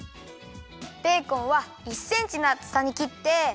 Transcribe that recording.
ベーコンは１センチのあつさにきって。